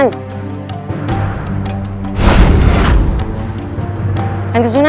anjeng anjeng sunan